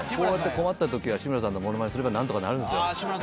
困ったときは志村さんのものまねすれば何とかなるんですよ。